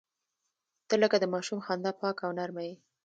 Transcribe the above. • ته لکه د ماشوم خندا پاکه او نرمه یې.